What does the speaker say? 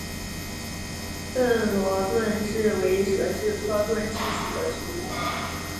暹罗盾蛭为舌蛭科盾蛭属的动物。